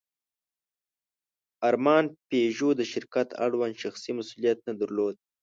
ارمان پيژو د شرکت اړوند شخصي مسوولیت نه درلود.